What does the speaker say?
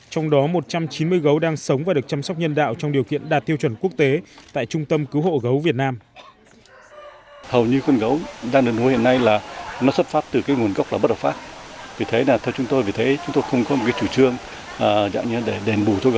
trong đó một trăm chín mươi gấu đang sống và được chăm sóc nhân đạo trong điều kiện đạt tiêu chuẩn quốc tế tại trung tâm cứu hộ gấu việt nam